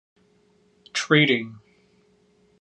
Treaty.